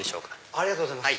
ありがとうございます。